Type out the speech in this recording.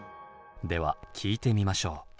では聴いてみましょう。